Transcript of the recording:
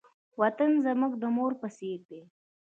وطن زموږ د مور په څېر دی.